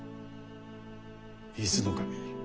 伊豆守。